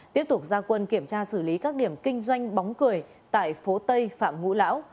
tiếp tục ra quân kiểm tra xử lý các điểm kinh doanh bóng cười tại phố tây phạm ngũ lão